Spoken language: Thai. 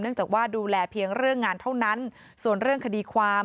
จากว่าดูแลเพียงเรื่องงานเท่านั้นส่วนเรื่องคดีความ